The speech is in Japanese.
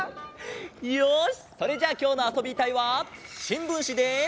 よしそれじゃあきょうの「あそびたい」はしんぶんしで。